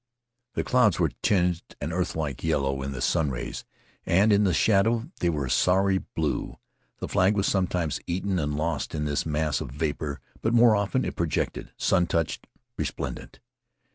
The clouds were tinged an earthlike yellow in the sunrays and in the shadow were a sorry blue. The flag was sometimes eaten and lost in this mass of vapor, but more often it projected, sun touched, resplendent.